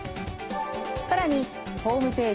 更にホームページ